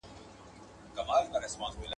خبري ښې کوي، لکۍ ئې کږې کوي.